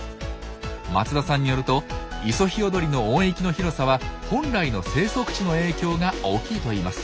松田さんによるとイソヒヨドリの音域の広さは本来の生息地の影響が大きいといいます。